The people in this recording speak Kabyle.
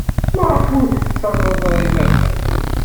Maɣef ur as-tettarrad i baba-m?